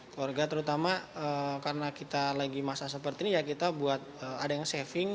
keluarga terutama karena kita lagi masa seperti ini ya kita buat ada yang saving